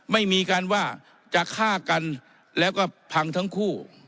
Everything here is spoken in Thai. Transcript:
ไม่มีการว่าจะฆ่ากันแล้วก็พังทั้งคู่